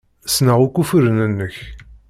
Ssneɣ akk ufuren-nnek.